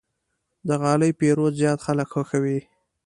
د غالۍ پېرود زیات خلک خوښوي.